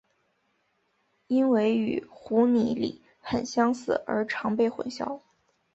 因为与湖拟鲤很相似而常被混淆。